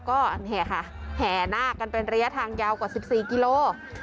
ก็แห่นากกันเป็นระยะทางยาวกว่าสิบสี่กิโลกรัม